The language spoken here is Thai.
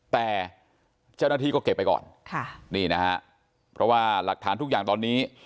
แต่เจ้าหน้าที่ก็เก็บไปก่อนค่ะนี่นะฮะเพราะว่าหลักฐานทุกอย่างตอนนี้